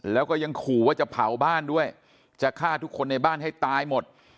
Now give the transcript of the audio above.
แล้วก็ยังขู่ว่าจะเผาบ้านด้วยจะฆ่าทุกคนในบ้านให้ตายหมด